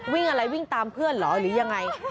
วิ่งอะไรวิ่งตามเพื่อนเหรอหรือยังไง